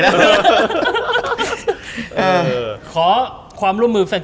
มันจะฟังเรารู้เรื่องไหน